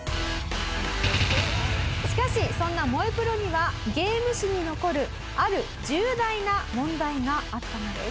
しかしそんな『燃えプロ』にはゲーム史に残るある重大な問題があったのです。